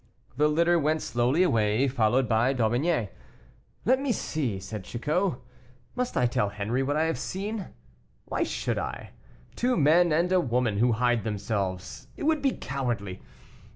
The litter went slowly away, followed by D'Aubigné. "Let me see," said Chicot, "must I tell Henri what I have seen? Why should I? two men and a woman, who hide themselves; it would be cowardly.